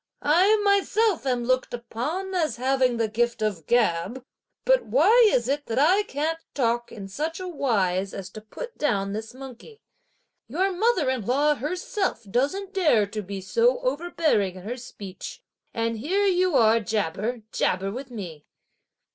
I myself am looked upon as having the gift of the gab, but why is it that I can't talk in such a wise as to put down this monkey? Your mother in law herself doesn't dare to be so overbearing in her speech; and here you are jabber, jabber with me!"